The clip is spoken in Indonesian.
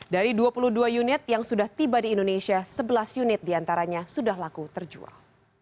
dari dua puluh dua unit yang sudah tiba di indonesia sebelas unit diantaranya sudah laku terjual